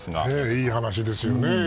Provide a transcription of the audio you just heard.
いい話ですよね。